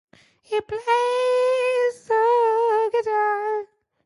He plays the guitar.